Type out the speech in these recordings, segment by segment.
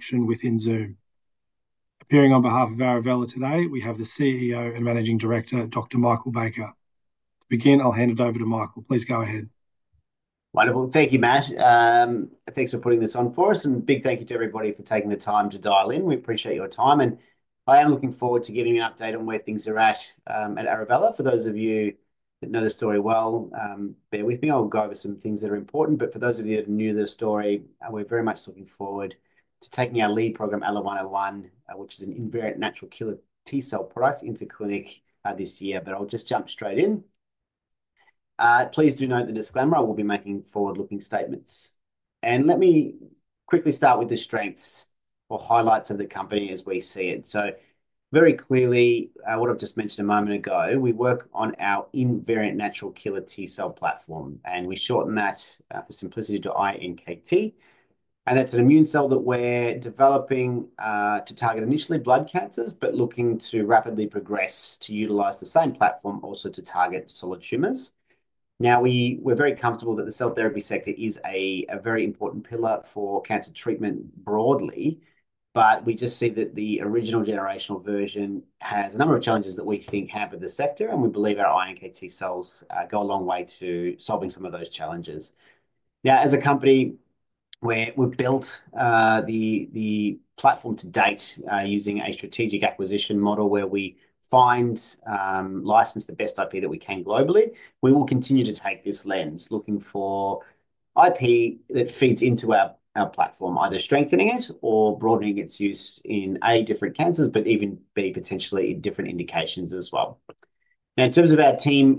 Function within Zoom. Appearing on behalf of Arovella today, we have the CEO and Managing Director, Dr. Michael Baker. To begin, I'll hand it over to Michael. Please go ahead. Wonderful. Thank you, Matt. Thanks for putting this on for us, and a big thank you to everybody for taking the time to dial in. We appreciate your time, and I am looking forward to giving you an update on where things are at at Arovella. For those of you that know the story well, bear with me. I'll go over some things that are important, but for those of you that are new to the story, we're very much looking forward to taking our lead program, ALA-101, which is an invariant natural killer T-cell product, into clinic this year. I'll just jump straight in. Please do note the disclaimer. I will be making forward-looking statements. Let me quickly start with the strengths or highlights of the company as we see it. Very clearly, what I have just mentioned a moment ago, we work on our invariant natural killer T-cell platform, and we shorten that for simplicity to iNKT. That is an immune cell that we are developing to target initially blood cancers, but looking to rapidly progress to utilize the same platform also to target solid tumors. We are very comfortable that the cell therapy sector is a very important pillar for cancer treatment broadly, but we just see that the original generational version has a number of challenges that we think hamper the sector, and we believe our iNKT cells go a long way to solving some of those challenges. As a company, we have built the platform to date using a strategic acquisition model where we find, license the best IP that we can globally. We will continue to take this lens, looking for IP that feeds into our platform, either strengthening it or broadening its use in different cancers, but even potentially in different indications as well. Now, in terms of our team,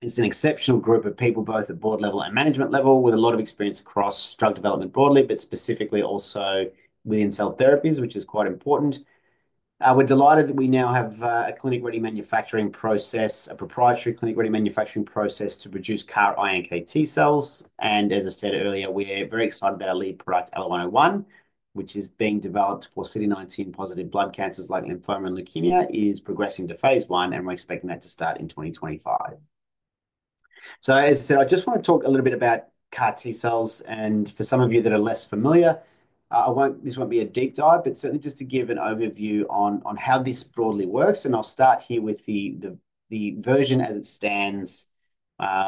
it's an exceptional group of people, both at board level and management level, with a lot of experience across drug development broadly, but specifically also within cell therapies, which is quite important. We're delighted that we now have a clinic-ready manufacturing process, a proprietary clinic-ready manufacturing process to produce CAR-iNKT cells. As I said earlier, we're very excited about our lead product, ALA-101, which is being developed for CD19-positive blood cancers like lymphoma and leukemia, is progressing to phase I, and we're expecting that to start in 2025. As I said, I just want to talk a little bit about CAR-T-cells. For some of you that are less familiar, this won't be a deep dive, but certainly just to give an overview on how this broadly works. I'll start here with the version as it stands,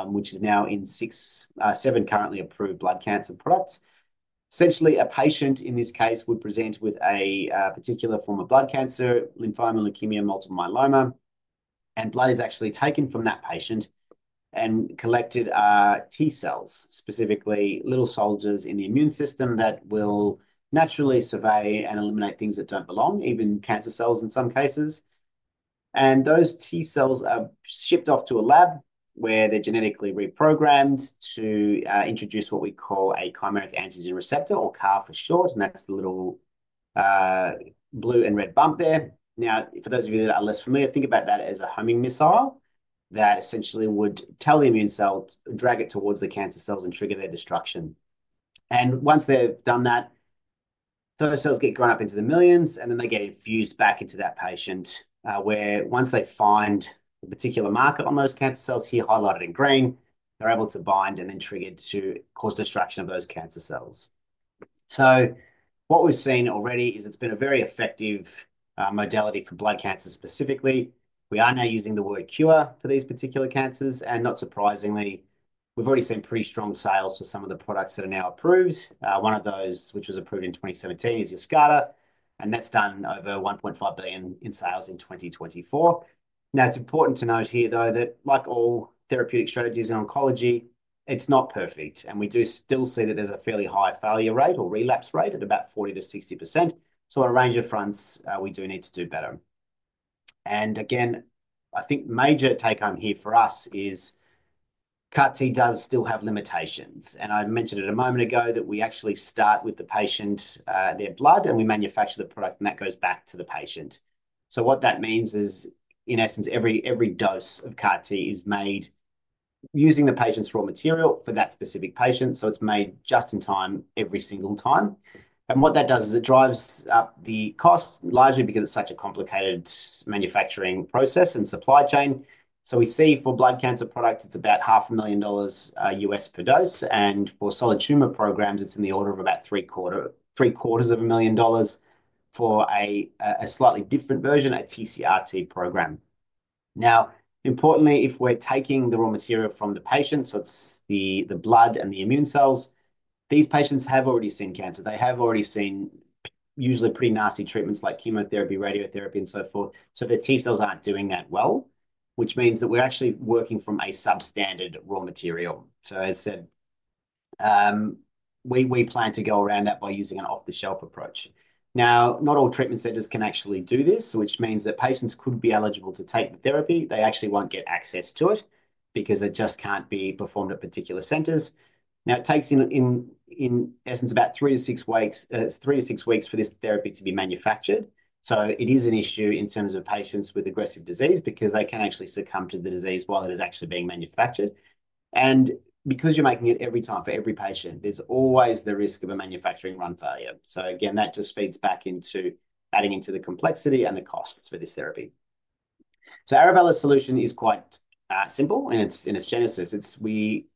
which is now in seven currently approved blood cancer products. Essentially, a patient in this case would present with a particular form of blood cancer, lymphoma, leukemia, multiple myeloma, and blood is actually taken from that patient and collected T-cells, specifically little soldiers in the immune system that will naturally survey and eliminate things that don't belong, even cancer cells in some cases. Those T-cells are shipped off to a lab where they're genetically reprogrammed to introduce what we call a chimeric antigen receptor, or CAR for short, and that's the little blue and red bump there. Now, for those of you that are less familiar, think about that as a homing missile that essentially would tell the immune cell, drag it towards the cancer cells and trigger their destruction. Once they've done that, those cells get grown up into the millions, and then they get infused back into that patient where once they find the particular marker on those cancer cells here highlighted in green, they're able to bind and then trigger to cause destruction of those cancer cells. What we've seen already is it's been a very effective modality for blood cancer specifically. We are now using the word cure for these particular cancers, and not surprisingly, we've already seen pretty strong sales for some of the products that are now approved. One of those, which was approved in 2017, is YESCARTA, and that's done over $1.5 billion in sales in 2024. Now, it's important to note here, though, that like all therapeutic strategies in oncology, it's not perfect, and we do still see that there's a fairly high failure rate or relapse rate at about 40-60%. On a range of fronts, we do need to do better. Again, I think the major take home here for us is CAR-T does still have limitations. I mentioned it a moment ago that we actually start with the patient, their blood, and we manufacture the product, and that goes back to the patient. What that means is, in essence, every dose of CAR-T is made using the patient's raw material for that specific patient. It's made just in time every single time. What that does is it drives up the cost, largely because it's such a complicated manufacturing process and supply chain. We see for blood cancer products, it's about $500,000 U.S. per dose. For solid tumor programs, it's in the order of about $750,000 for a slightly different version, a TCR-T program. Now, importantly, if we're taking the raw material from the patient, so it's the blood and the immune cells, these patients have already seen cancer. They have already seen usually pretty nasty treatments like chemotherapy, radiotherapy, and so forth. The T-cells aren't doing that well, which means that we're actually working from a substandard raw material. As I said, we plan to go around that by using an off-the-shelf approach. Not all treatment centers can actually do this, which means that patients could be eligible to take the therapy. They actually won't get access to it because it just can't be performed at particular centers. Now, it takes in essence about three to six weeks for this therapy to be manufactured. It is an issue in terms of patients with aggressive disease because they can actually succumb to the disease while it is actually being manufactured. Because you're making it every time for every patient, there's always the risk of a manufacturing run failure. That just feeds back into adding into the complexity and the costs for this therapy. Arovella's solution is quite simple in its genesis. We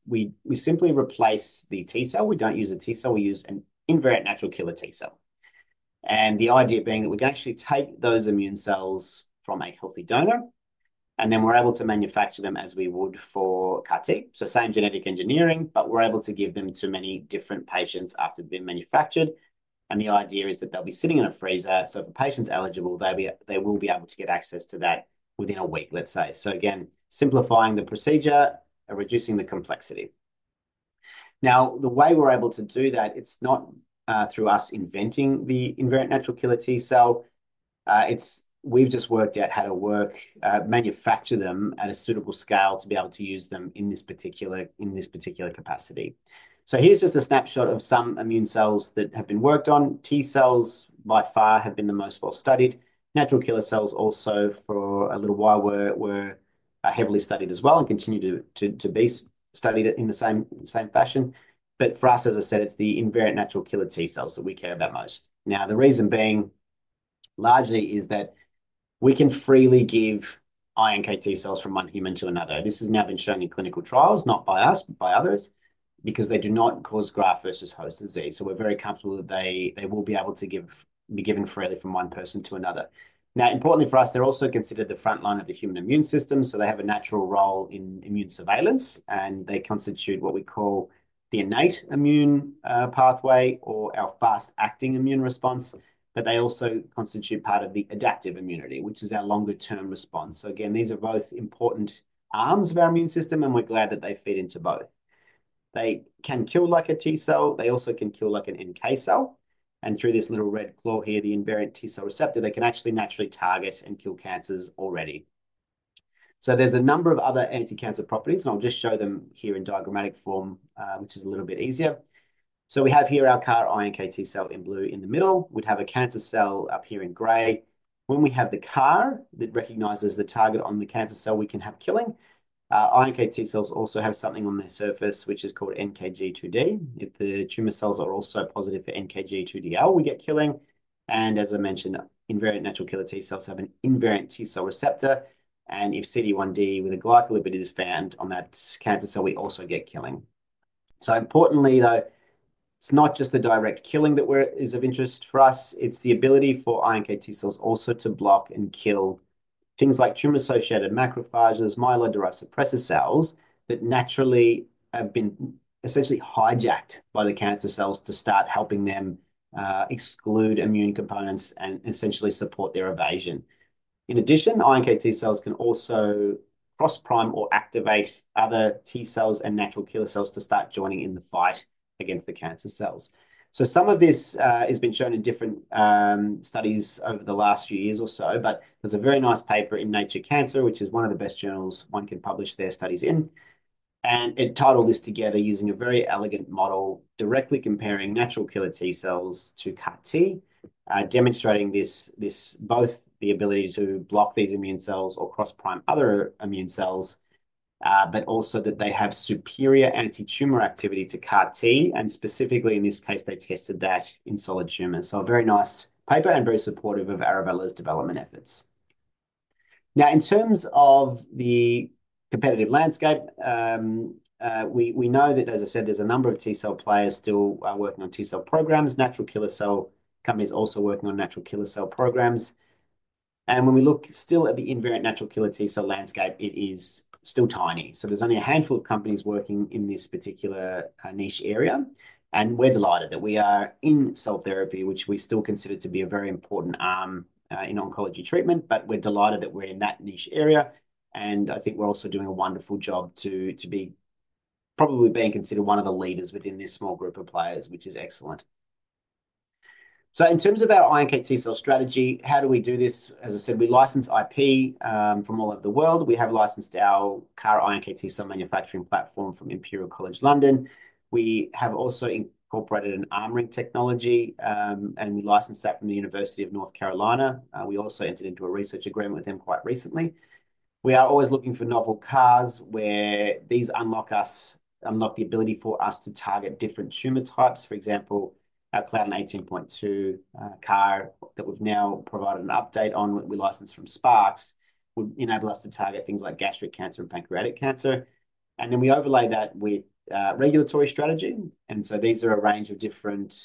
simply replace the T-cell. We don't use a T-cell. We use an invariant natural killer T-cell. The idea being that we can actually take those immune cells from a healthy donor, and then we're able to manufacture them as we would for CAR-T. Same genetic engineering, but we're able to give them to many different patients after being manufactured. The idea is that they'll be sitting in a freezer. If a patient is eligible, they will be able to get access to that within a week, let's say. Again, simplifying the procedure and reducing the complexity. Now, the way we're able to do that, it's not through us inventing the invariant natural killer T-cell. We've just worked out how to manufacture them at a suitable scale to be able to use them in this particular capacity. Here's just a snapshot of some immune cells that have been worked on. T-cells by far have been the most well-studied. Natural killer cells also for a little while were heavily studied as well and continue to be studied in the same fashion. For us, as I said, it's the invariant natural killer T-cells that we care about most. Now, the reason being largely is that we can freely give iNKT cells from one human to another. This has now been shown in clinical trials, not by us, but by others, because they do not cause graft-versus-host disease. We are very comfortable that they will be able to be given freely from one person to another. Importantly for us, they are also considered the front line of the human immune system. They have a natural role in immune surveillance, and they constitute what we call the innate immune pathway or our fast-acting immune response. They also constitute part of the adaptive immunity, which is our longer-term response. These are both important arms of our immune system, and we are glad that they feed into both. They can kill like a T-cell. They also can kill like an NK cell. Through this little red claw here, the invariant T-cell receptor, they can actually naturally target and kill cancers already. There are a number of other anti-cancer properties, and I'll just show them here in diagrammatic form, which is a little bit easier. We have here our CAR-iNKT cell in blue in the middle. We'd have a cancer cell up here in gray. When we have the CAR that recognizes the target on the cancer cell, we can have killing. iNKT cells also have something on their surface, which is called NKG2D. If the tumor cells are also positive for NKG2DL, we get killing. As I mentioned, invariant natural killer T-cells have an invariant T-cell receptor. If CD1d with a glycolipid is found on that cancer cell, we also get killing. Importantly, though, it's not just the direct killing that is of interest for us. It's the ability for iNKT cells also to block and kill things like tumor-associated macrophages, myeloid-derived suppressor cells that naturally have been essentially hijacked by the cancer cells to start helping them exclude immune components and essentially support their evasion. In addition, iNKT cells can also cross-prime or activate other T-cells and natural killer cells to start joining in the fight against the cancer cells. Some of this has been shown in different studies over the last few years or so, but there's a very nice paper in Nature Cancer, which is one of the best journals one can publish their studies in. It tied all this together using a very elegant model, directly comparing natural killer T-cells to CAR-T, demonstrating both the ability to block these immune cells or cross-prime other immune cells, but also that they have superior anti-tumor activity to CAR-T. Specifically, in this case, they tested that in solid tumors. A very nice paper and very supportive of Arovella's development efforts. In terms of the competitive landscape, we know that, as I said, there's a number of T-cell players still working on T-cell programs. Natural killer cell companies are also working on natural killer cell programs. When we look still at the invariant natural killer T-cell landscape, it is still tiny. There's only a handful of companies working in this particular niche area. We're delighted that we are in cell therapy, which we still consider to be a very important arm in oncology treatment, but we're delighted that we're in that niche area. I think we're also doing a wonderful job to be probably being considered one of the leaders within this small group of players, which is excellent. In terms of our iNKT cell strategy, how do we do this? As I said, we license IP from all over the world. We have licensed our CAR-iNKT cell manufacturing platform from Imperial College London. We have also incorporated an armoring technology, and we licensed that from the University of North Carolina. We also entered into a research agreement with them quite recently. We are always looking for novel CARs where these unlock the ability for us to target different tumor types. For example, our CLDN18.2 CAR that we've now provided an update on, we licensed from Sparks, would enable us to target things like gastric cancer and pancreatic cancer. We overlay that with regulatory strategy. These are a range of different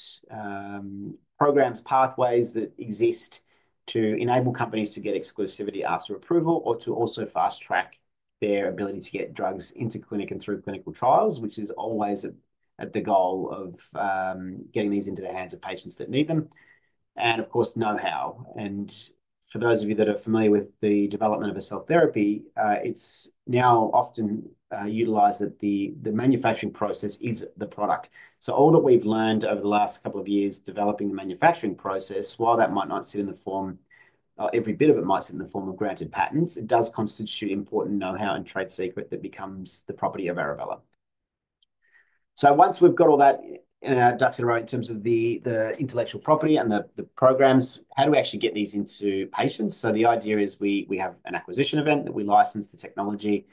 programs, pathways that exist to enable companies to get exclusivity after approval or to also fast-track their ability to get drugs into clinic and through clinical trials, which is always the goal of getting these into the hands of patients that need them. Of course, know-how. For those of you that are familiar with the development of a cell therapy, it's now often utilized that the manufacturing process is the product. All that we've learned over the last couple of years developing the manufacturing process, while that might not sit in the form, every bit of it might sit in the form of granted patents, it does constitute important know-how and trade secret that becomes the property of Arovella. Once we've got all our ducks in a row in terms of the intellectual property and the programs, how do we actually get these into patients? The idea is we have an acquisition event that we license the technology.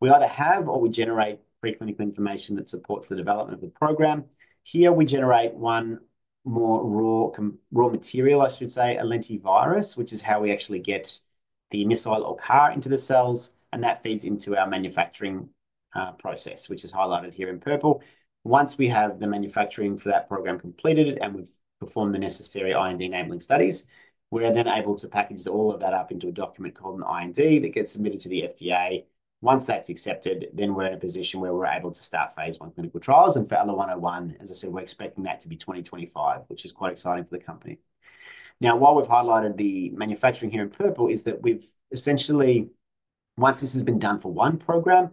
We either have or we generate preclinical information that supports the development of the program. Here we generate one more raw material, I should say, a lentivirus, which is how we actually get the missile or CAR into the cells. That feeds into our manufacturing process, which is highlighted here in purple. Once we have the manufacturing for that program completed and we've performed the necessary IND-enabling studies, we're then able to package all of that up into a document called an IND that gets submitted to the FDA. Once that's accepted, then we're in a position where we're able to start phase I clinical trials. For ALA-101, as I said, we're expecting that to be 2025, which is quite exciting for the company. What we've highlighted, the manufacturing here in purple, is that we've essentially, once this has been done for one program,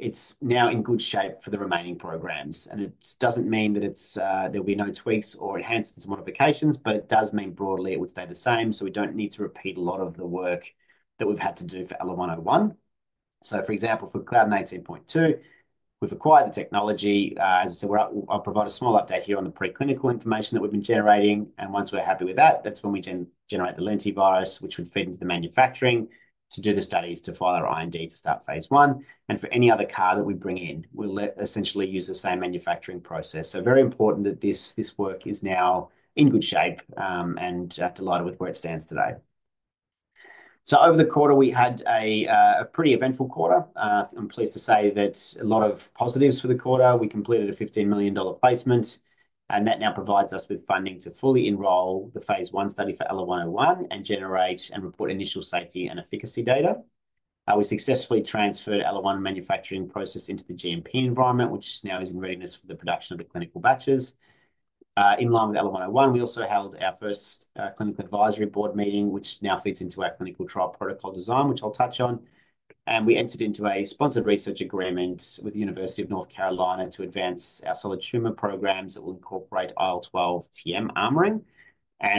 it's now in good shape for the remaining programs. It doesn't mean that there will be no tweaks or enhancements or modifications, but it does mean broadly it would stay the same. We don't need to repeat a lot of the work that we've had to do for ALA-101. For example, for CLDN18.2, we've acquired the technology. As I said, I'll provide a small update here on the preclinical information that we've been generating. Once we're happy with that, that's when we generate the lentivirus, which would feed into the manufacturing to do the studies to file our IND to start phase I. For any other CAR that we bring in, we'll essentially use the same manufacturing process. Very important that this work is now in good shape and delighted with where it stands today. Over the quarter, we had a pretty eventful quarter. I'm pleased to say that a lot of positives for the quarter. We completed an 15 million dollar placement, and that now provides us with funding to fully enroll the phase I study for ALA-101 and generate and report initial safety and efficacy data. We successfully transferred ALA-101 manufacturing process into the GMP environment, which now is in readiness for the production of the clinical batches. In line with ALA-101, we also held our first clinical advisory board meeting, which now feeds into our clinical trial protocol design, which I'll touch on. We entered into a sponsored research agreement with the University of North Carolina to advance our solid tumor programs that will incorporate IL-12-TM armoring.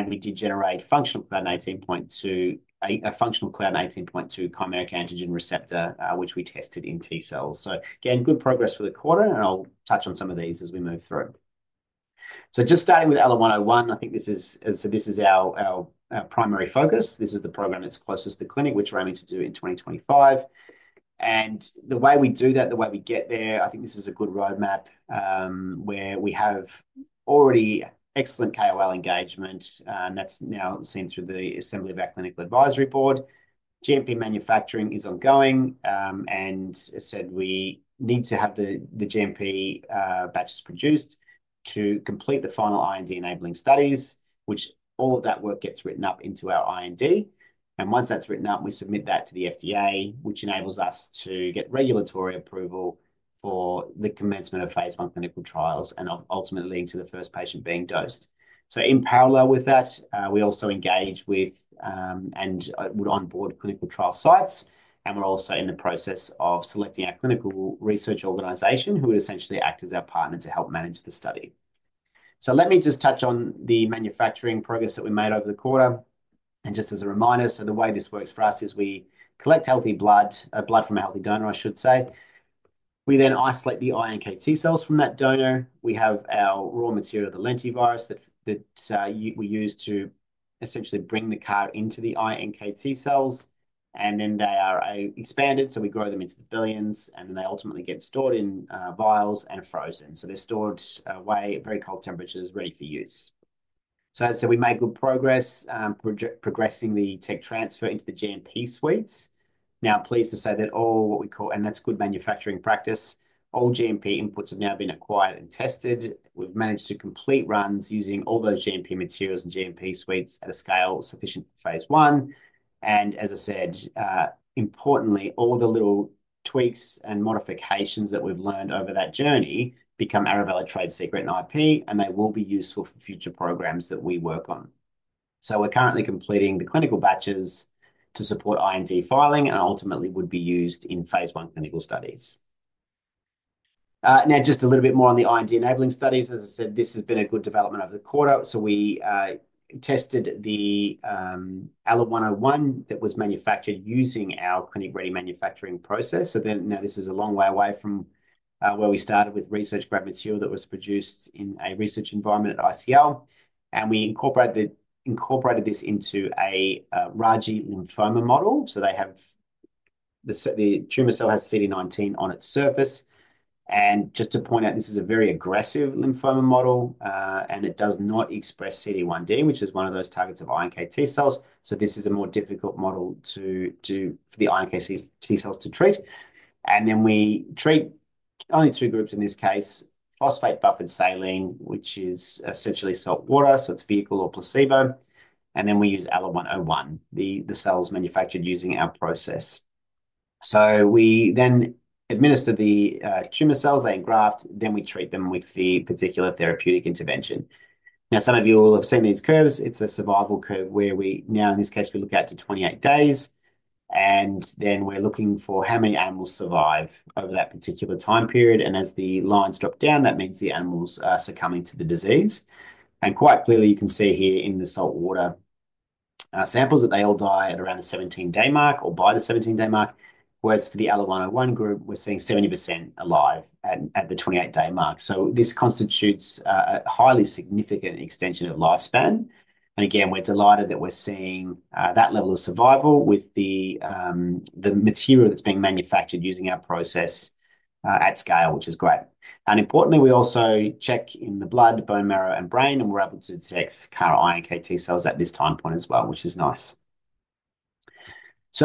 We did generate functional CLDN18.2, a functional CLDN18.2 chimeric antigen receptor, which we tested in T-cells. Good progress for the quarter, and I'll touch on some of these as we move through. Just starting with ALA-101, I think this is our primary focus. This is the program that's closest to clinic, which we're aiming to do in 2025. The way we do that, the way we get there, I think this is a good roadmap where we have already excellent KOL engagement, and that's now seen through the assembly of our clinical advisory board. GMP manufacturing is ongoing. As I said, we need to have the GMP batches produced to complete the final IND-enabling studies, which all of that work gets written up into our IND. Once that's written up, we submit that to the FDA, which enables us to get regulatory approval for the commencement of phase I clinical trials and ultimately leading to the first patient being dosed. In parallel with that, we also engage with and would onboard clinical trial sites. We're also in the process of selecting our clinical research organization who would essentially act as our partner to help manage the study. Let me just touch on the manufacturing progress that we made over the quarter. Just as a reminder, the way this works for us is we collect blood from a healthy donor. We then isolate the iNKT cells from that donor. We have our raw material, the lentivirus that we use to essentially bring the CAR into the iNKT cells. They are expanded. We grow them into the billions, and then they ultimately get stored in vials and frozen. They are stored away at very cold temperatures, ready for use. We made good progress progressing the tech transfer into the GMP suites. I'm pleased to say that all what we call, and that's good manufacturing practice, all GMP inputs have now been acquired and tested. We've managed to complete runs using all those GMP materials and GMP suites at a scale sufficient for phase I. As I said, importantly, all the little tweaks and modifications that we've learned over that journey become Arovella trade secret and IP, and they will be useful for future programs that we work on. We're currently completing the clinical batches to support IND filing and ultimately would be used in phase I clinical studies. Now, just a little bit more on the IND-enabling studies. As I said, this has been a good development over the quarter. We tested the ALA-101 that was manufactured using our clinic-ready manufacturing process. This is a long way away from where we started with research-grade material that was produced in a research environment at ICL. We incorporated this into a Raji lymphoma model. The tumor cell has CD19 on its surface. Just to point out, this is a very aggressive lymphoma model, and it does not express CD1d, which is one of those targets of iNKT cells. This is a more difficult model for the iNKT cells to treat. We treat only two groups in this case, phosphate-buffered saline, which is essentially salt water, so it's vehicle or placebo. Then we use ALA-101, the cells manufactured using our process. We administer the tumor cells, they engraft, then we treat them with the particular therapeutic intervention. Some of you will have seen these curves. It's a survival curve where, in this case, we look at 28 days. We are looking for how many animals survive over that particular time period. As the lines drop down, that means the animals are succumbing to the disease. Quite clearly, you can see here in the salt water samples that they all die at around the 17-day mark or by the 17-day mark. Whereas for the ALA-101 group, we're seeing 70% alive at the 28-day mark. This constitutes a highly significant extension of lifespan. Again, we're delighted that we're seeing that level of survival with the material that's being manufactured using our process at scale, which is great. Importantly, we also check in the blood, bone marrow, and brain, and we're able to detect CAR-iNKT cells at this time point as well, which is nice.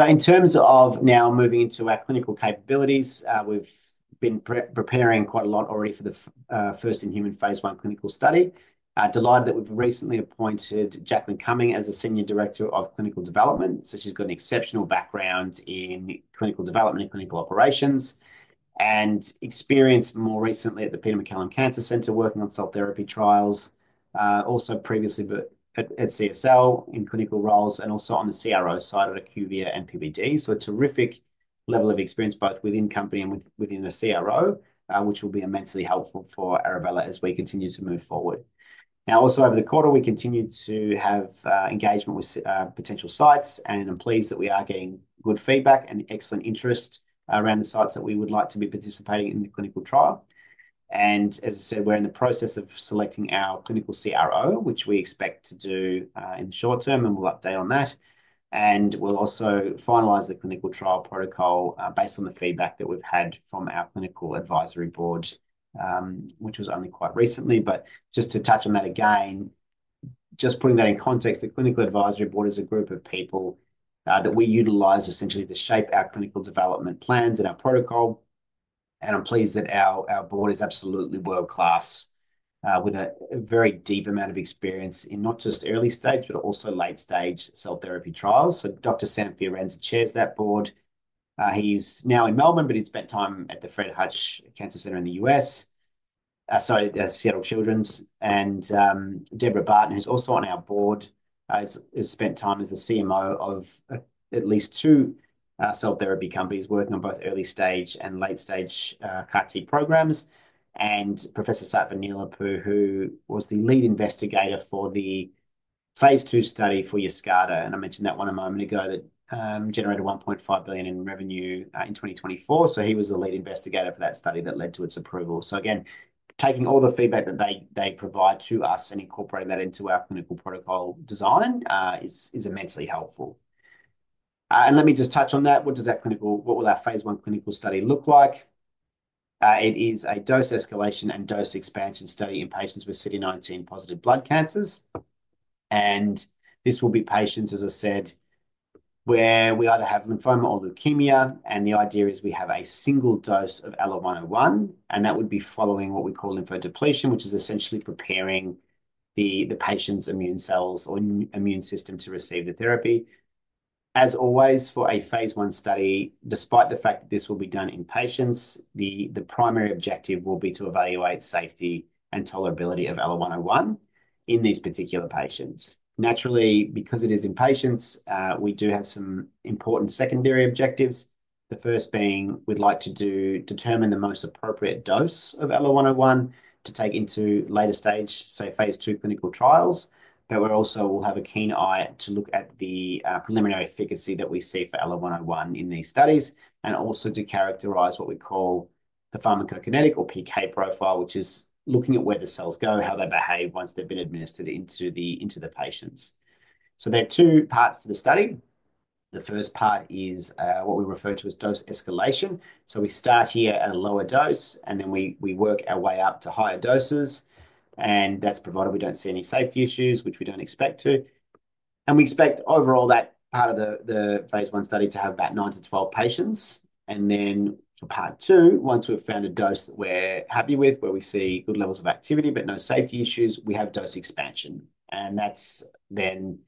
In terms of now moving into our clinical capabilities, we've been preparing quite a lot already for the first in human phase I clinical study. Delighted that we've recently appointed Jacqui Cumming as Senior Director of Clinical Development. She's got an exceptional background in clinical development and clinical operations and experience more recently at the Peter MacCallum Cancer Centre working on cell therapy trials. Also previously at CSL in clinical roles and also on the CRO side at IQVIA and PPD. A terrific level of experience both within company and within the CRO, which will be immensely helpful for Arovella as we continue to move forward. Over the quarter, we continue to have engagement with potential sites and I'm pleased that we are getting good feedback and excellent interest around the sites that we would like to be participating in the clinical trial. As I said, we're in the process of selecting our clinical CRO, which we expect to do in the short term, and we'll update on that. We will also finalize the clinical trial protocol based on the feedback that we've had from our clinical advisory board, which was only quite recently. Just to touch on that again, just putting that in context, the clinical advisory board is a group of people that we utilize essentially to shape our clinical development plans and our protocol. I'm pleased that our board is absolutely world-class with a very deep amount of experience in not just early stage, but also late-stage cell therapy trials. Dr. Sam Fiorenza chairs that board. He's now in Melbourne, but he'd spent time at the Fred Hutchinson Cancer Center in the U.S., sorry, at Seattle Children's. Debora Barton, who's also on our board, has spent time as the CMO of at least two cell therapy companies working on both early-stage and late-stage CAR-T programs. Professor Sattva Neelapu, who was the lead investigator for the phase II study for YESCARTA. I mentioned that one a moment ago that generated $1.5 billion in revenue in 2024. He was the lead investigator for that study that led to its approval. Taking all the feedback that they provide to us and incorporating that into our clinical protocol design is immensely helpful. Let me just touch on that. What does that clinical, what will that phase one clinical study look like? It is a dose escalation and dose expansion study in patients with CD19-positive blood cancers. This will be patients, as I said, where we either have lymphoma or leukemia. The idea is we have a single dose of ALA-101, and that would be following what we call lymphodepletion, which is essentially preparing the patient's immune cells or immune system to receive the therapy. As always, for a phase I study, despite the fact that this will be done in patients, the primary objective will be to evaluate safety and tolerability of ALA-101 in these particular patients. Naturally, because it is in patients, we do have some important secondary objectives. The first being, we'd like to determine the most appropriate dose of ALA-101 to take into later stage, say, phase II clinical trials. We also will have a keen eye to look at the preliminary efficacy that we see for ALA-101 in these studies and also to characterize what we call the pharmacokinetic or PK profile, which is looking at where the cells go, how they behave once they've been administered into the patients. There are two parts to the study. The first part is what we refer to as dose escalation. We start here at a lower dose, and then we work our way up to higher doses. That is provided we do not see any safety issues, which we do not expect to. We expect overall that part of the phase one study to have about nine to 12 patients. For part two, once we've found a dose that we're happy with, where we see good levels of activity but no safety issues, we have dose expansion. That is then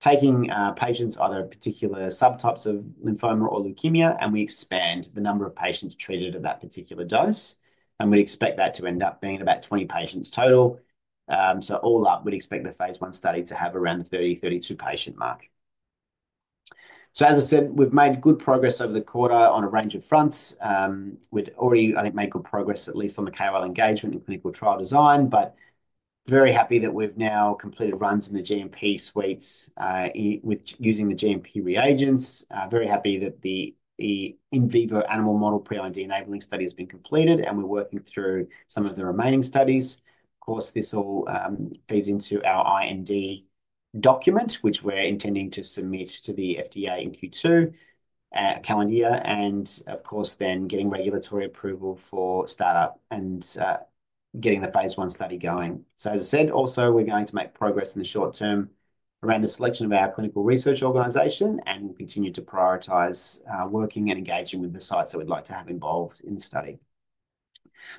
taking patients either in particular subtypes of lymphoma or leukemia, and we expand the number of patients treated at that particular dose. We'd expect that to end up being about 20 patients total. All up, we'd expect the phase one study to have around the 30-32 patient mark. As I said, we've made good progress over the quarter on a range of fronts. We'd already, I think, made good progress at least on the KOL engagement and clinical trial design, but very happy that we've now completed runs in the GMP suites using the GMP reagents. Very happy that the in vivo animal model pre-IND-enabling study has been completed, and we're working through some of the remaining studies. Of course, this all feeds into our IND document, which we're intending to submit to the FDA in Q2, calendar year, and of course, then getting regulatory approval for startup and getting the phase I study going. As I said, also, we're going to make progress in the short term around the selection of our clinical research organization and continue to prioritize working and engaging with the sites that we'd like to have involved in the study.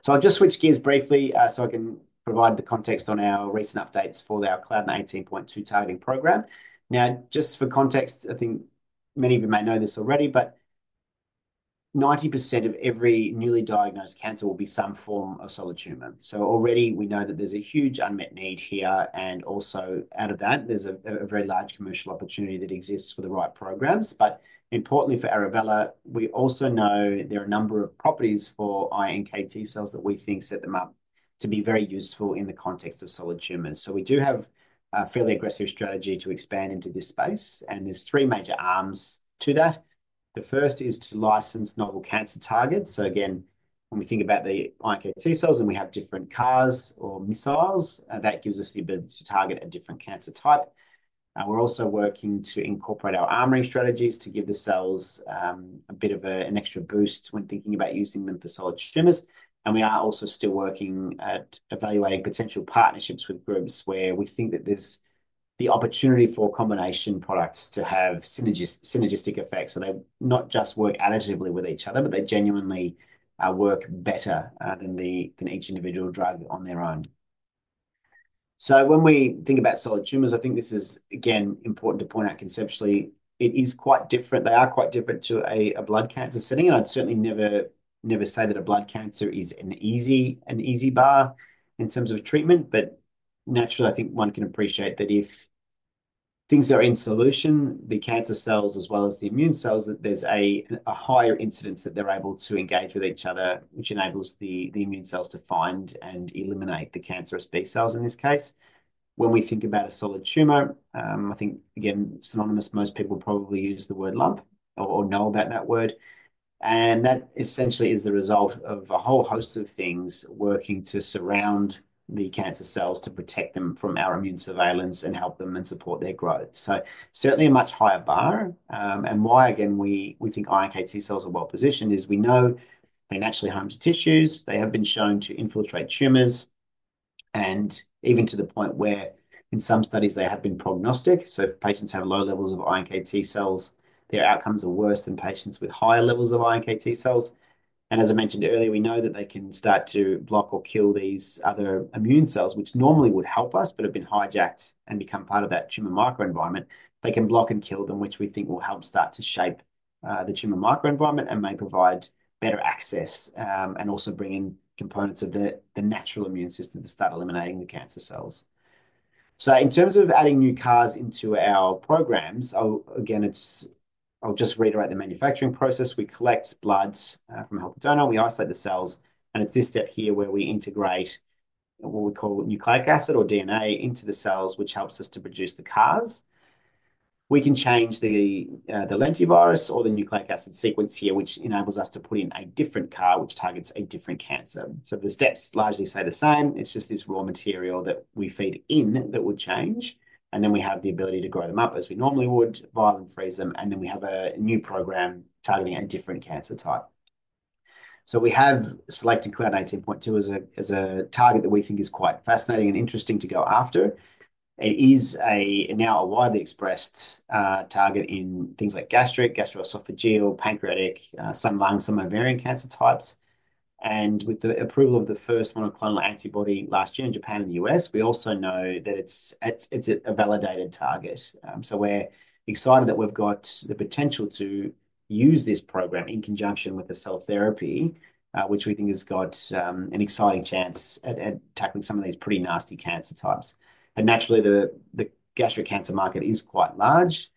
I'll just switch gears briefly so I can provide the context on our recent updates for our CLDN18.2 targeting program. Now, just for context, I think many of you may know this already, but 90% of every newly diagnosed cancer will be some form of solid tumor. Already, we know that there's a huge unmet need here. Also out of that, there's a very large commercial opportunity that exists for the right programs. Importantly for Arovella, we also know there are a number of properties for iNKT cells that we think set them up to be very useful in the context of solid tumors. We do have a fairly aggressive strategy to expand into this space. There are three major arms to that. The first is to license novel cancer targets. Again, when we think about the iNKT cells and we have different CARs or missiles, that gives us the ability to target a different cancer type. We're also working to incorporate our armory strategies to give the cells a bit of an extra boost when thinking about using them for solid tumors. We are also still working at evaluating potential partnerships with groups where we think that there's the opportunity for combination products to have synergistic effects. They not just work additively with each other, but they genuinely work better than each individual drug on their own. When we think about solid tumors, I think this is, again, important to point out conceptually. It is quite different. They are quite different to a blood cancer setting. I'd certainly never say that a blood cancer is an easy bar in terms of treatment. Naturally, I think one can appreciate that if things are in solution, the cancer cells as well as the immune cells, that there's a higher incidence that they're able to engage with each other, which enables the immune cells to find and eliminate the cancerous B-cells in this case. When we think about a solid tumor, I think, again, synonymous, most people probably use the word lump or know about that word. That essentially is the result of a whole host of things working to surround the cancer cells to protect them from our immune surveillance and help them and support their growth. Certainly a much higher bar. Why, again, we think iNKT cells are well positioned is we know they naturally harm tissues. They have been shown to infiltrate tumors. Even to the point where in some studies, they have been prognostic. If patients have low levels of iNKT cells, their outcomes are worse than patients with higher levels of iNKT cells. As I mentioned earlier, we know that they can start to block or kill these other immune cells, which normally would help us, but have been hijacked and become part of that tumor microenvironment. They can block and kill them, which we think will help start to shape the tumor microenvironment and may provide better access and also bring in components of the natural immune system to start eliminating the cancer cells. In terms of adding new CARs into our programs, I'll just reiterate the manufacturing process. We collect blood from a helper donor. We isolate the cells. It is this step here where we integrate what we call nucleic acid or DNA into the cells, which helps us to produce the CARs. We can change the lentivirus or the nucleic acid sequence here, which enables us to put in a different CAR, which targets a different cancer. The steps largely stay the same. It's just this raw material that we feed in that would change. We have the ability to grow them up as we normally would, vial and freeze them. We have a new program targeting a different cancer type. We have selected CLDN18.2 as a target that we think is quite fascinating and interesting to go after. It is now a widely expressed target in things like gastric, gastroesophageal, pancreatic, some lung, some ovarian cancer types. With the approval of the first monoclonal antibody last year in Japan and the U.S., we also know that it's a validated target. We are excited that we've got the potential to use this program in conjunction with the cell therapy, which we think has got an exciting chance at tackling some of these pretty nasty cancer types. Naturally, the gastric cancer market is quite large.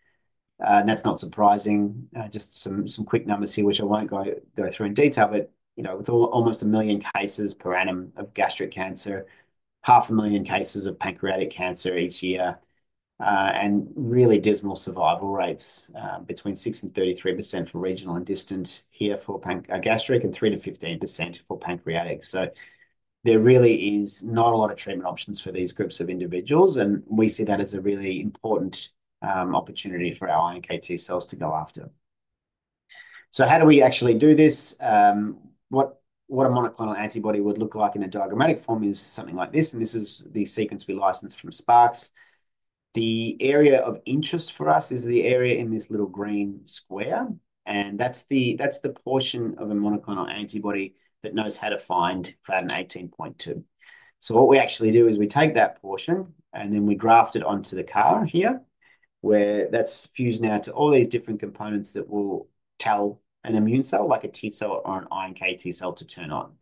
That is not surprising. Just some quick numbers here, which I will not go through in detail, but with almost 1 million cases per annum of gastric cancer, 500,000 cases of pancreatic cancer each year, and really dismal survival rates between 6-33% for regional and distant here for gastric and 3-15% for pancreatic. There really is not a lot of treatment options for these groups of individuals. We see that as a really important opportunity for our iNKT cells to go after. How do we actually do this? What a monoclonal antibody would look like in a diagrammatic form is something like this. This is the sequence we licensed from Sparks. The area of interest for us is the area in this little green square. That is the portion of a monoclonal antibody that knows how to find CLDN18.2. What we actually do is we take that portion, and then we graft it onto the CAR here, where that is fused now to all these different components that will tell an immune cell like a T cell or an iNKT cell to turn on.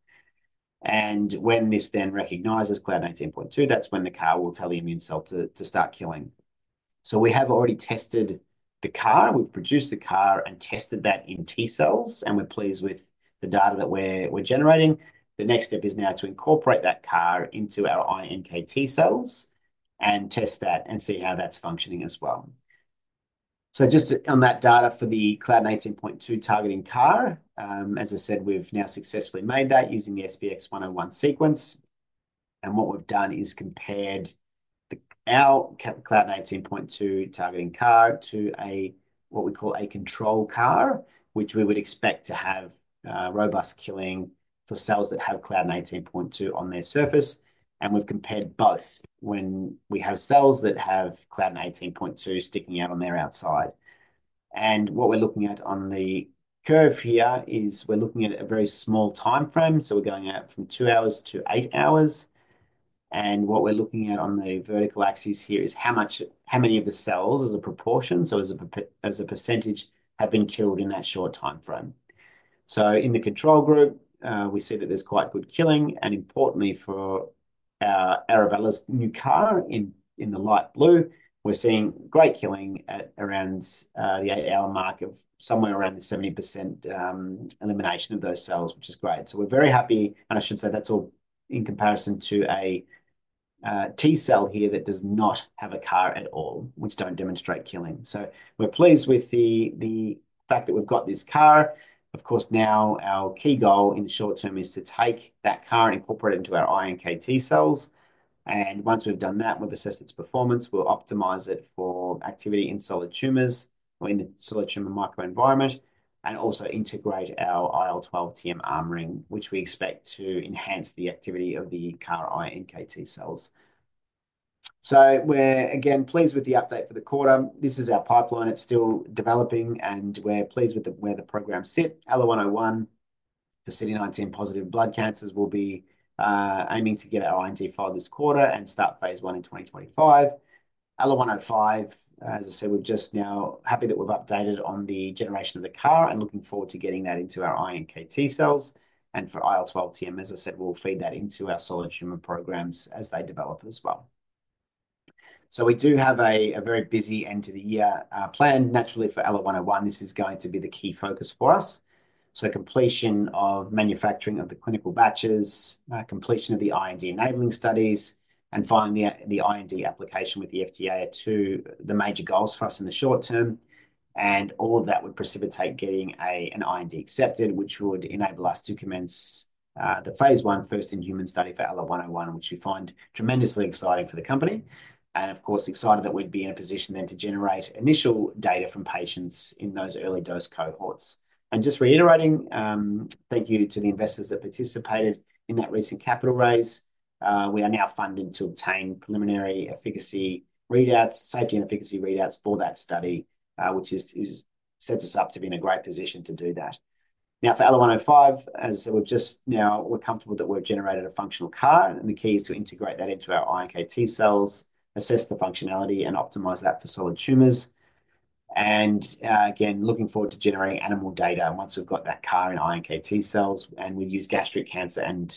When this then recognizes CLDN18.2, that is when the CAR will tell the immune cell to start killing. We have already tested the CAR. We have produced the CAR and tested that in T cells, and we are pleased with the data that we are generating. The next step is now to incorporate that CAR into our iNKT cells and test that and see how that is functioning as well. Just on that data for the CLDN18.2 targeting CAR, as I said, we have now successfully made that using the SPX-101 sequence. What we've done is compared our CLDN18.2 targeting CAR to what we call a control CAR, which we would expect to have robust killing for cells that have CLDN18.2 on their surface. We've compared both when we have cells that have CLDN18.2 sticking out on their outside. What we're looking at on the curve here is a very small time frame. We're going out from two hours to eight hours. What we're looking at on the vertical axis here is how many of the cells as a proportion, so as a percentage, have been killed in that short time frame. In the control group, we see that there's quite good killing. Importantly, for Arovella's new CAR in the light blue, we're seeing great killing at around the eight-hour mark of somewhere around the 70% elimination of those cells, which is great. We're very happy. I should say that's all in comparison to a T cell here that does not have a CAR at all, which do not demonstrate killing. We're pleased with the fact that we've got this CAR. Our key goal in the short term is to take that CAR and incorporate it into our iNKT cells. Once we've done that, we've assessed its performance. We'll optimize it for activity in solid tumors or in the solid tumor microenvironment and also integrate our IL-12-TM armoring, which we expect to enhance the activity of the CAR-iNKT cells. We're pleased with the update for the quarter. This is our pipeline. It's still developing, and we're pleased with where the program sit. ALA-101 for CD19-positive blood cancers will be aiming to get our IND filed this quarter and start phase I in 2025. ALA-105, as I said, we're just now happy that we've updated on the generation of the CAR and looking forward to getting that into our iNKT cells. For IL-12-TM, as I said, we'll feed that into our solid tumor programs as they develop as well. We do have a very busy end of the year planned. Naturally, for ALA-101, this is going to be the key focus for us. Completion of manufacturing of the clinical batches, completion of the IND-enabling studies, and finally, the IND application with the FDA are two of the major goals for us in the short term. All of that would precipitate getting an IND accepted, which would enable us to commence the phase I first in human study for ALA-101, which we find tremendously exciting for the company. Of course, excited that we'd be in a position then to generate initial data from patients in those early dose cohorts. Just reiterating, thank you to the investors that participated in that recent capital raise. We are now funded to obtain preliminary efficacy readouts, safety and efficacy readouts for that study, which sets us up to be in a great position to do that. Now, for ALA-105, as I said, we're just now, we're comfortable that we've generated a functional CAR. The key is to integrate that into our iNKT cells, assess the functionality, and optimize that for solid tumors. Again, looking forward to generating animal data once we've got that CAR-iNKT cells. We've used gastric cancer and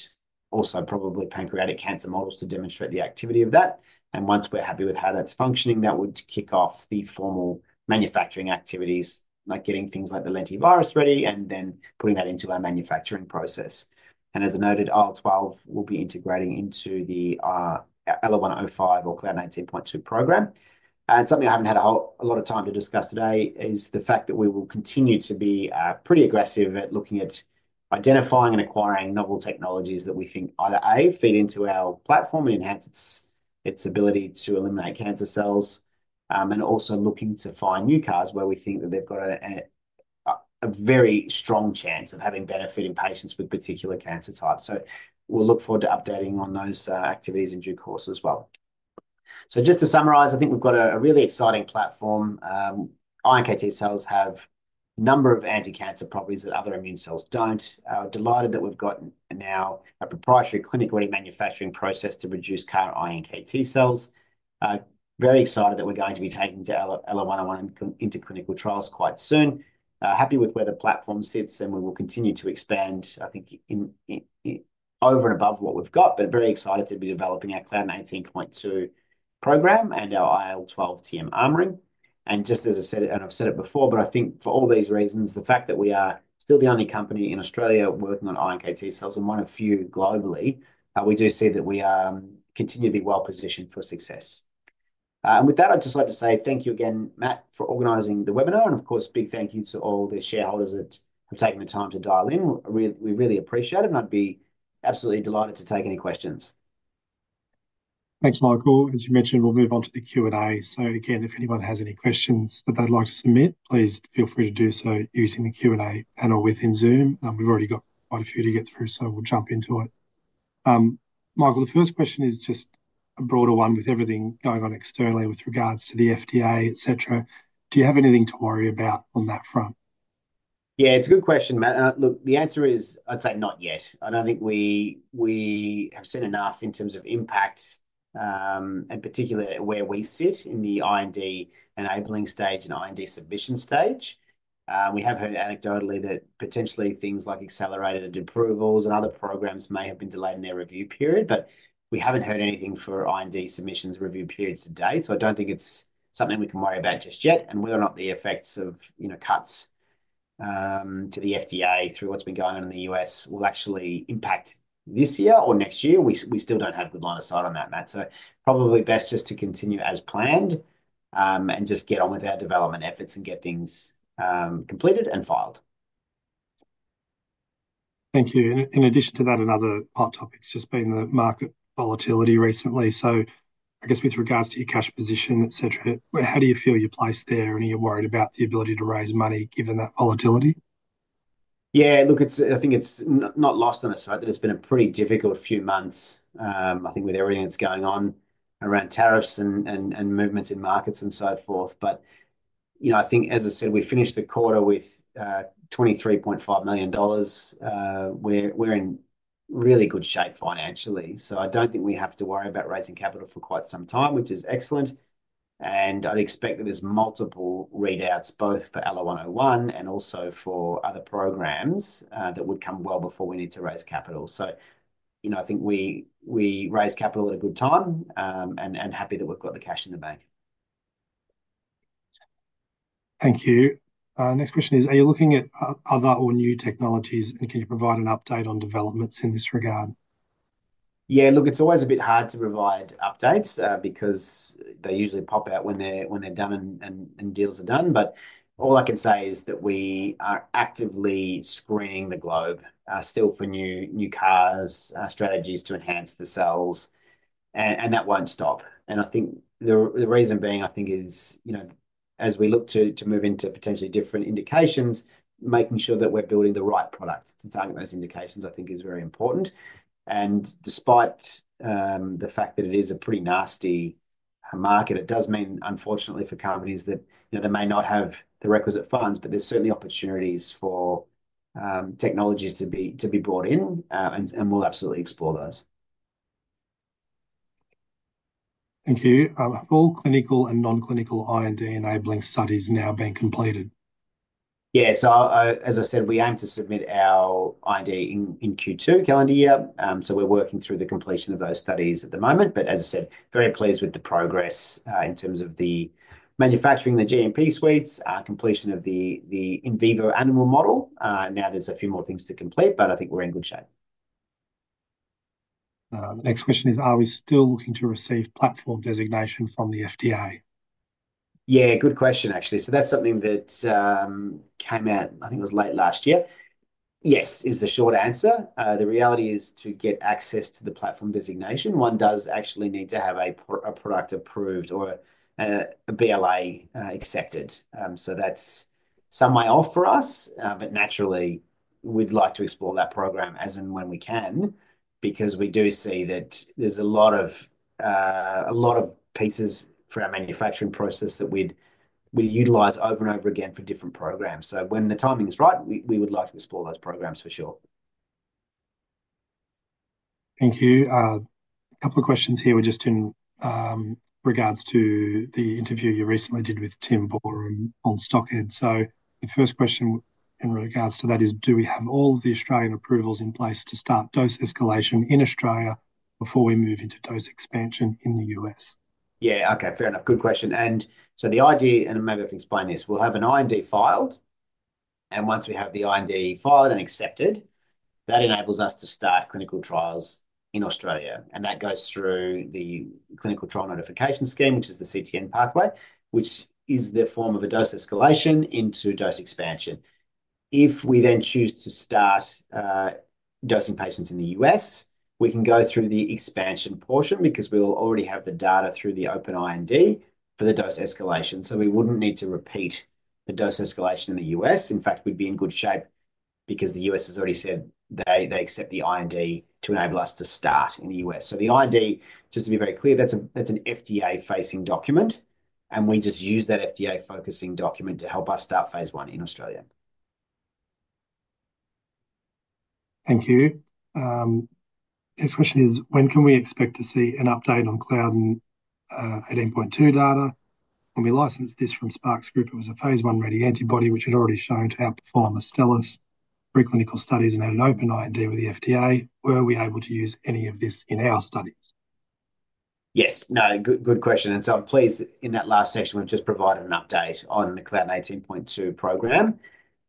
also probably pancreatic cancer models to demonstrate the activity of that. Once we're happy with how that's functioning, that would kick off the formal manufacturing activities, like getting things like the lentivirus ready and then putting that into our manufacturing process. As I noted, IL-12-TM will be integrating into the ALA-105 or CLDN18.2 program. Something I have not had a lot of time to discuss today is the fact that we will continue to be pretty aggressive at looking at identifying and acquiring novel technologies that we think either, A, feed into our platform and enhance its ability to eliminate cancer cells, and also looking to find new CARs where we think that they have got a very strong chance of having benefit in patients with particular cancer types. We will look forward to updating on those activities in due course as well. Just to summarize, I think we have got a really exciting platform. iNKT cells have a number of anti-cancer properties that other immune cells do not. Delighted that we have now a proprietary clinic-ready manufacturing process to produce CAR-iNKT cells. Very excited that we are going to be taking ALA-101 into clinical trials quite soon. Happy with where the platform sits, and we will continue to expand, I think, over and above what we've got, but very excited to be developing our CLDN18.2 program and our IL-12-TM armoring. Just as I said, and I've said it before, I think for all these reasons, the fact that we are still the only company in Australia working on iNKT cells and one of few globally, we do see that we continue to be well positioned for success. With that, I'd just like to say thank you again, Matt, for organizing the webinar. Of course, big thank you to all the shareholders that have taken the time to dial in. We really appreciate it, and I'd be absolutely delighted to take any questions. Thanks, Michael. As you mentioned, we'll move on to the Q&A. If anyone has any questions that they'd like to submit, please feel free to do so using the Q&A panel within Zoom. We've already got quite a few to get through, so we'll jump into it. Michael, the first question is just a broader one with everything going on externally with regards to the FDA, etc. Do you have anything to worry about on that front? Yeah, it's a good question, Matt. Look, the answer is, I'd say not yet. I don't think we have seen enough in terms of impact, and particularly where we sit in the IND-enabling stage and IND submission stage. We have heard anecdotally that potentially things like accelerated approvals and other programs may have been delayed in their review period, but we haven't heard anything for IND submissions review periods to date. I do not think it is something we can worry about just yet. Whether or not the effects of cuts to the FDA through what has been going on in the U.S. will actually impact this year or next year, we still do not have good line of sight on that, Matt. It is probably best just to continue as planned and just get on with our development efforts and get things completed and filed. Thank you. In addition to that, another hot topic has just been the market volatility recently. I guess with regards to your cash position, etc., how do you feel your place there? Are you worried about the ability to raise money given that volatility? Yeah, look, I think it is not lost on us, right? That it's been a pretty difficult few months, I think, with everything that's going on around tariffs and movements in markets and so forth. I think, as I said, we finished the quarter with 23.5 million dollars. We're in really good shape financially. I don't think we have to worry about raising capital for quite some time, which is excellent. I'd expect that there's multiple readouts, both for ALA-101 and also for other programs that would come well before we need to raise capital. I think we raised capital at a good time and happy that we've got the cash in the bank. Thank you. Next question is, are you looking at other or new technologies? And can you provide an update on developments in this regard? Yeah, look, it's always a bit hard to provide updates because they usually pop out when they're done and deals are done. All I can say is that we are actively screening the globe still for new CARs, strategies to enhance the cells. That won't stop. The reason being, I think, is as we look to move into potentially different indications, making sure that we're building the right products to target those indications is very important. Despite the fact that it is a pretty nasty market, it does mean, unfortunately, for companies that they may not have the requisite funds, but there are certainly opportunities for technologies to be brought in. We'll absolutely explore those. Thank you. Have all clinical and non-clinical IND-enabling studies now been completed? Yeah. As I said, we aim to submit our IND in Q2 calendar year. We are working through the completion of those studies at the moment. As I said, very pleased with the progress in terms of the manufacturing, the GMP suites, completion of the in vivo animal model. There are a few more things to complete, but I think we are in good shape. The next question is, are we still looking to receive platform designation from the FDA? Yeah, good question, actually. That is something that came out, I think it was late last year. Yes, is the short answer. The reality is to get access to the platform designation, one does actually need to have a product approved or a BLA accepted. That is some way off for us. Naturally, we'd like to explore that program as and when we can because we do see that there's a lot of pieces for our manufacturing process that we'd utilize over and over again for different programs. When the timing is right, we would like to explore those programs for sure. Thank you. A couple of questions here were just in regards to the interview you recently did with Tim Boreham on Stockhead. The first question in regards to that is, do we have all of the Australian approvals in place to start dose escalation in Australia before we move into dose expansion in the U.S.? Yeah. Okay. Fair enough. Good question. The idea, and maybe I can explain this, we'll have an IND filed. Once we have the IND filed and accepted, that enables us to start clinical trials in Australia. That goes through the clinical trial notification scheme, which is the CTN pathway, which is the form of a dose escalation into dose expansion. If we then choose to start dosing patients in the U.S., we can go through the expansion portion because we'll already have the data through the open IND for the dose escalation. We wouldn't need to repeat the dose escalation in the U.S. In fact, we'd be in good shape because the U.S. has already said they accept the IND to enable us to start in the U.S. The IND, just to be very clear, that's an FDA-facing document. We just use that FDA-focusing document to help us start phase I in Australia. Thank you. Next question is, when can we expect to see an update on CLDN18.2 data? When we licensed this from Sparks, it was a phase 1-ready antibody, which had already shown to outperform Astellas preclinical studies and had an open IND with the FDA. Were we able to use any of this in our studies? Yes. No, good question. I am pleased in that last section, we have just provided an update on the CLDN18.2 program.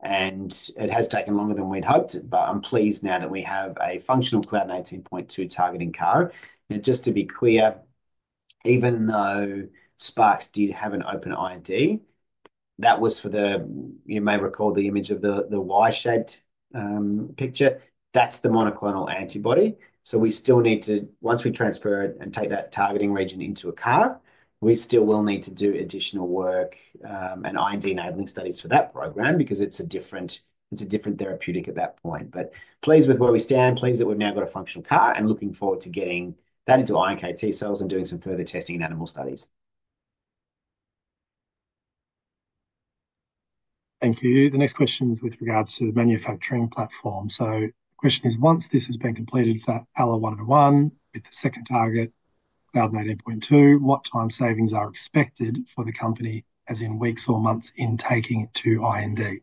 It has taken longer than we had hoped, but I am pleased now that we have a functional CLDN18.2 targeting CAR. Just to be clear, even though Sparks did have an open IND, that was for the, you may recall the image of the Y-shaped picture. That is the monoclonal antibody. We still need to, once we transfer it and take that targeting region into a CAR, we still will need to do additional work and IND-enabling studies for that program because it's a different therapeutic at that point. Pleased with where we stand, pleased that we've now got a functional CAR and looking forward to getting that into iNKT cells and doing some further testing in animal studies. Thank you. The next question is with regards to the manufacturing platform. The question is, once this has been completed for ALA-101 with the second target, CLDN18.2, what time savings are expected for the company as in weeks or months in taking it to IND?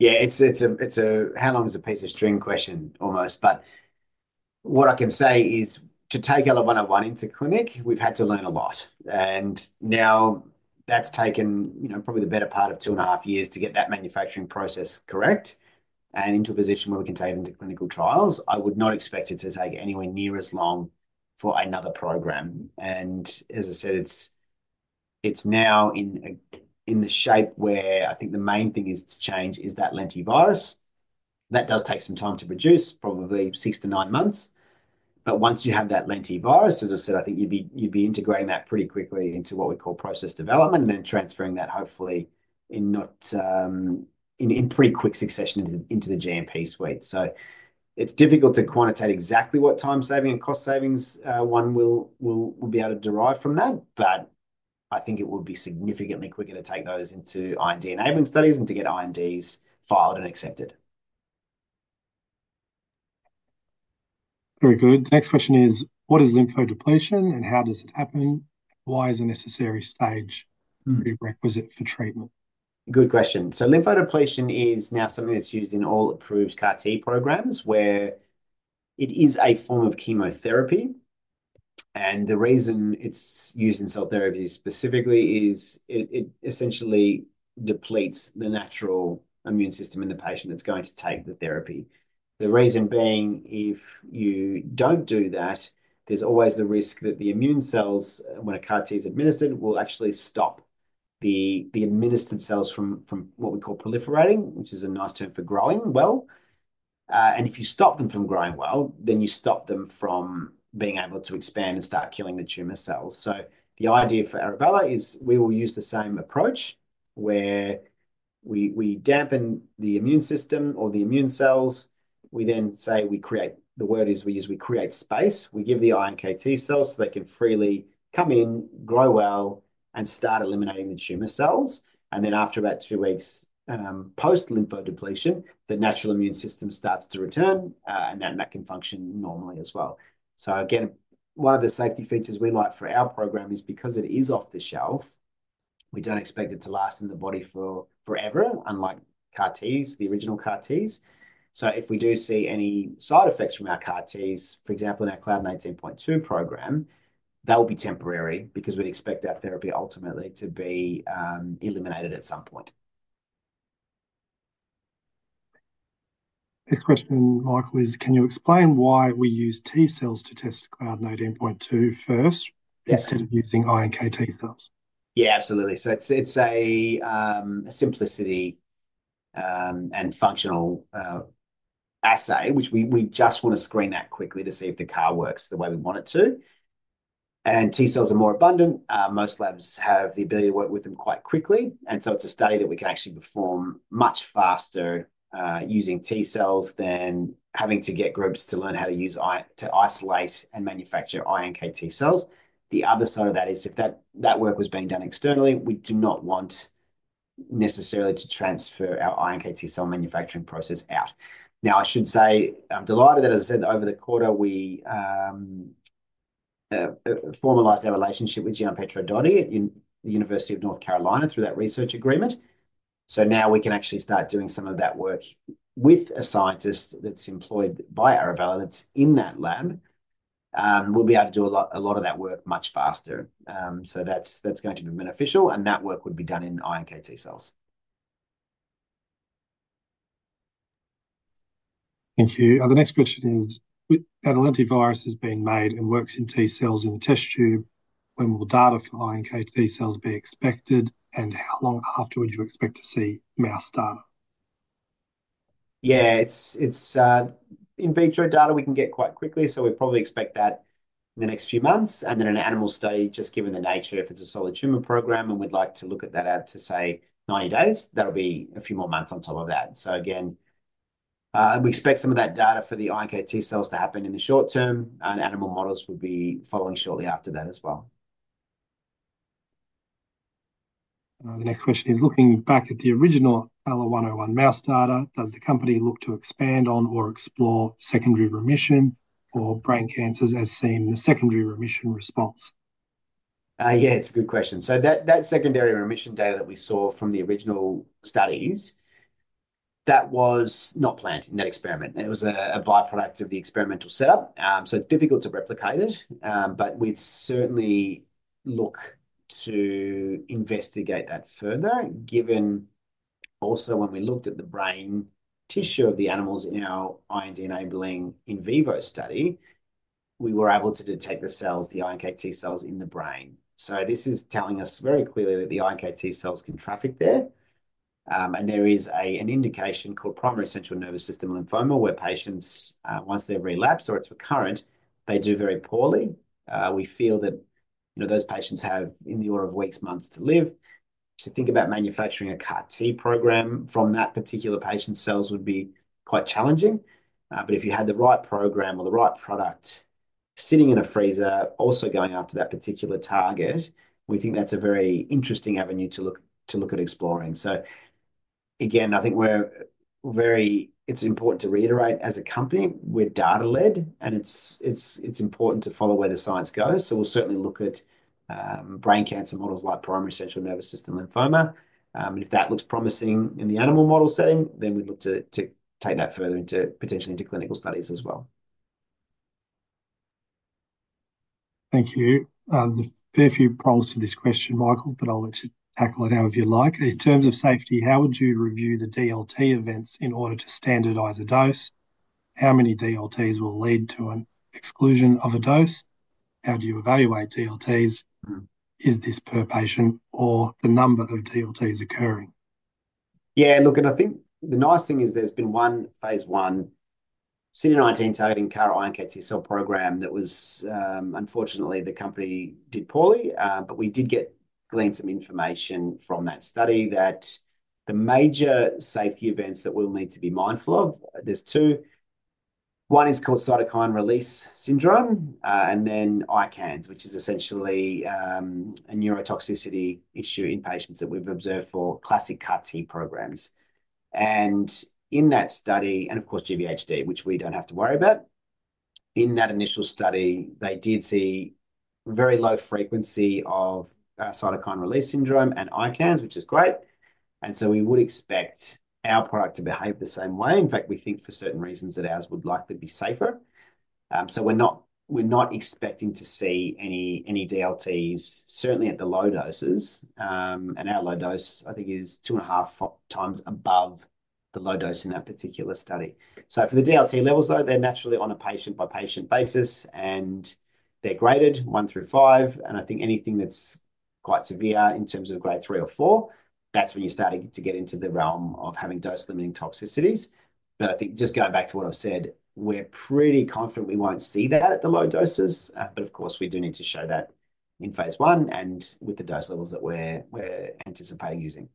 Yeah, it's a how long is a piece of string question almost. What I can say is to take ALA-101 into clinic, we've had to learn a lot. That has taken probably the better part of two and a half years to get that manufacturing process correct and into a position where we can take it into clinical trials. I would not expect it to take anywhere near as long for another program. As I said, it is now in the shape where I think the main thing to change is that lentivirus. That does take some time to produce, probably six to nine months. Once you have that lentivirus, as I said, I think you would be integrating that pretty quickly into what we call process development and then transferring that hopefully in pretty quick succession into the GMP suite. It is difficult to quantitate exactly what time saving and cost savings one will be able to derive from that, but I think it would be significantly quicker to take those into IND-enabling studies and to get INDs filed and accepted. Very good. Next question is, what is lymphodepletion and how does it happen? Why is it a necessary stage prerequisite for treatment? Good question. Lymphodepletion is now something that is used in all approved CAR-T programs where it is a form of chemotherapy. The reason it is used in cell therapy specifically is it essentially depletes the natural immune system in the patient that is going to take the therapy. The reason being, if you don't do that, there's always the risk that the immune cells, when a CAR-T is administered, will actually stop the administered cells from what we call proliferating, which is a nice term for growing well. If you stop them from growing well, then you stop them from being able to expand and start killing the tumor cells. The idea for Arovella is we will use the same approach where we dampen the immune system or the immune cells. We then say we create, the word is we use, we create space. We give the iNKT cells so they can freely come in, grow well, and start eliminating the tumor cells. After about two weeks post-lymphodepletion, the natural immune system starts to return, and then that can function normally as well. Again, one of the safety features we like for our program is because it is off the shelf, we do not expect it to last in the body forever, unlike CAR-Ts, the original CAR-Ts. If we do see any side effects from our CAR-Ts, for example, in our CLDN18.2 program, that will be temporary because we expect our therapy ultimately to be eliminated at some point. Next question, Michael, is can you explain why we use T cells to test CLDN18.2 first instead of using iNKT cells? Yeah, absolutely. It is a simplicity and functional assay, which we just want to screen that quickly to see if the CAR works the way we want it to. T cells are more abundant. Most labs have the ability to work with them quite quickly. It is a study that we can actually perform much faster using T cells than having to get groups to learn how to isolate and manufacture iNKT cells. The other side of that is if that work was being done externally, we do not want necessarily to transfer our iNKT cell manufacturing process out. I should say I'm delighted that, as I said, over the quarter, we formalized our relationship with Gianpietro Dotti at the University of North Carolina through that research agreement. Now we can actually start doing some of that work with a scientist that's employed by Arovella that's in that lab. We'll be able to do a lot of that work much faster. That is going to be beneficial. That work would be done in iNKT cells. Thank you. The next question is, if the lentivirus has been made and works in T cells in the test tube, when will data from iNKT cells be expected and how long afterwards you expect to see mouse data? Yeah, it's in vitro data we can get quite quickly. We probably expect that in the next few months. In an animal study, just given the nature, if it's a solid tumor program and we'd like to look at that out to say 90 days, that'll be a few more months on top of that. We expect some of that data for the iNKT cells to happen in the short term. Animal models would be following shortly after that as well. The next question is, looking back at the original ALA-101 mouse data, does the company look to expand on or explore secondary remission or brain cancers as seen in the secondary remission response? Yeah, it's a good question. That secondary remission data that we saw from the original studies, that was not planned in that experiment. It was a byproduct of the experimental setup. It is difficult to replicate it. We'd certainly look to investigate that further, given also when we looked at the brain tissue of the animals in our IND-enabling in vivo study, we were able to detect the cells, the iNKT cells in the brain. This is telling us very clearly that the iNKT cells can traffic there. There is an indication called primary central nervous system lymphoma where patients, once they relapse or it's recurrent, they do very poorly. We feel that those patients have in the order of weeks, months to live. To think about manufacturing a CAR-T program from that particular patient's cells would be quite challenging. If you had the right program or the right product sitting in a freezer also going after that particular target, we think that's a very interesting avenue to look at exploring. I think we're very, it's important to reiterate as a company, we're data-led, and it's important to follow where the science goes. We'll certainly look at brain cancer models like primary central nervous system lymphoma. If that looks promising in the animal model setting, then we'd look to take that further into potentially into clinical studies as well. Thank you. There are a few proles to this question, Michael, but I'll let you tackle it however you like. In terms of safety, how would you review the DLT events in order to standardize a dose? How many DLTs will lead to an exclusion of a dose? How do you evaluate DLTs? Is this per patient or the number of DLTs occurring? Yeah, look, and I think the nice thing is there's been one phase I CD19 targeting CAR-iNKT cell program that was unfortunately the company did poorly. But we did glean some information from that study that the major safety events that we'll need to be mindful of, there's two. One is called cytokine release syndrome and then ICANS, which is essentially a neurotoxicity issue in patients that we've observed for classic CAR-T programs. In that study, and of course GVHD, which we do not have to worry about, in that initial study, they did see very low frequency of cytokine release syndrome and ICANS, which is great. We would expect our product to behave the same way. In fact, we think for certain reasons that ours would likely be safer. We are not expecting to see any DLTs, certainly at the low doses. Our low dose, I think, is two and a half times above the low dose in that particular study. For the DLT levels, though, they are naturally on a patient-by-patient basis, and they are graded one through five. I think anything that is quite severe in terms of grade three or four, that is when you start to get into the realm of having dose-limiting toxicities. I think just going back to what I've said, we're pretty confident we won't see that at the low doses. Of course, we do need to show that in phase I and with the dose levels that we're anticipating using.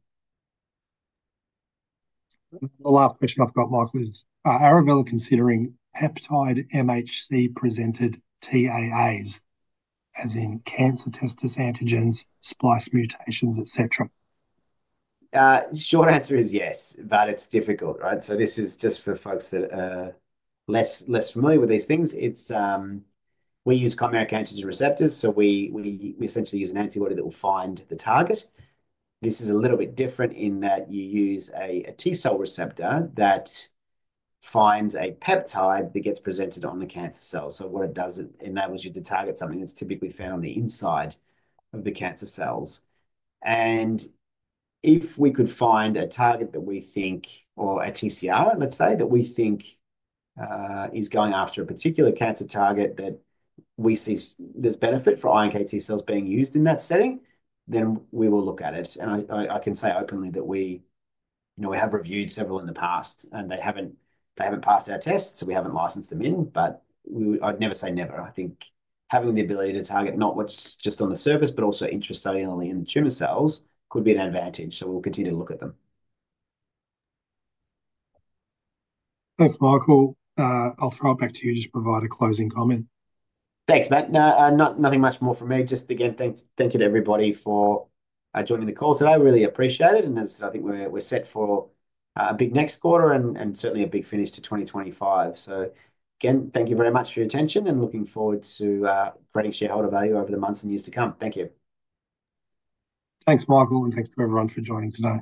The last question I've got, Michael, is Arovella considering peptide MHC-presented TAAs, as in cancer/testis antigens, splice mutations, etc.? Short answer is yes, but it's difficult, right? This is just for folks that are less familiar with these things. We use chimeric antigen receptors. We essentially use an antibody that will find the target. This is a little bit different in that you use a T cell receptor that finds a peptide that gets presented on the cancer cell. What it does, it enables you to target something that's typically found on the inside of the cancer cells. If we could find a target that we think, or a TCR, let's say, that we think is going after a particular cancer target that we see there's benefit for iNKT cells being used in that setting, then we will look at it. I can say openly that we have reviewed several in the past, and they haven't passed our tests, so we haven't licensed them in. I'd never say never. I think having the ability to target not what's just on the surface, but also intracellularly in the tumor cells could be an advantage. We'll continue to look at them. Thanks, Michael. I'll throw it back to you to just provide a closing comment. Thanks, Matt. Nothing much more from me. Just again, thank you to everybody for joining the call today. Really appreciate it. As I said, I think we're set for a big next quarter and certainly a big finish to 2025. Again, thank you very much for your attention and looking forward to creating shareholder value over the months and years to come. Thank you. Thanks, Michael, and thanks to everyone for joining today.